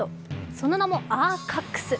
その名もアーカックス。